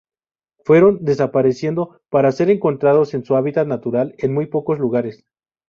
Fueron desapareciendo para ser encontrados en su hábitat natural en muy pocos lugares.